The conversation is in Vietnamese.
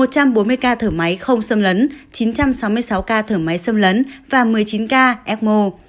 một trăm bốn mươi ca thở máy không xâm lấn chín trăm sáu mươi sáu ca thở máy xâm lấn và một mươi chín ca emo